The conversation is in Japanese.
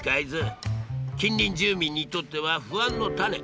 近隣住民にとっては不安の種。